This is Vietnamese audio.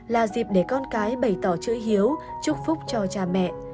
là dịp để con cái bày tỏ chữ hiếu chúc phúc cho cha mẹ